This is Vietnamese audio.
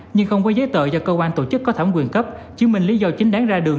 nhưng không có giấy tờ do cơ quan tổ chức có thẩm quyền cấp chứng minh lý do chính đáng ra đường